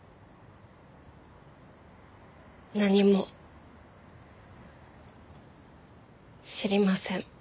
何も知りません。